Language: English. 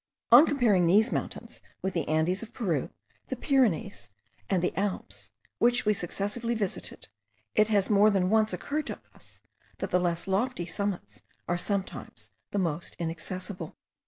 On comparing these mountains with the Andes of Peru, the Pyrenees, and the Alps, which we successively visited, it has more than once occurred to us, that the less lofty summits are sometimes the most inaccessible.